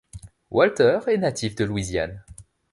Walter est natif de Louisiane.